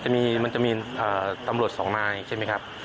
มันจะมีตำรวจสองนายใช่ไหมครับ